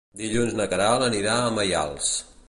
Dilluns na Queralt anirà a Maials.